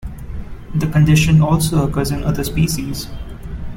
The condition also occurs in other species.